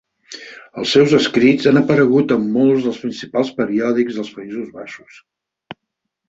Els seus escrits han aparegut en molts dels principals periòdics dels Països Baixos.